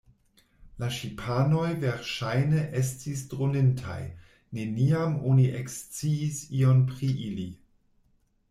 La ŝipanoj verŝajne estis dronintaj, neniam oni eksciis ion pri ili.